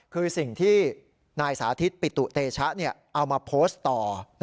คือสิ่งที่นายสาธิตปิตุเตชะเอามาโพสต์ต่อ